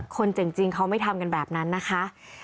เจ๋งจริงเขาไม่ทำกันแบบนั้นนะคะ